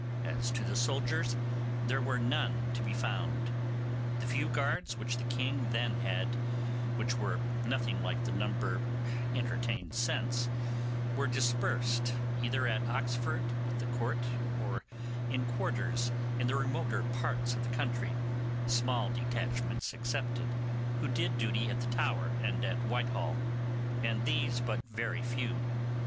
As to soldiers, there were none to be found. The few guards which the king then had, which were nothing like the number entertained since, were dispersed, either at Oxford with the Court, or in quarters in the remoter parts of the country, small detachments excepted, who did duty at the Tower and at Whitehall, and these but very few.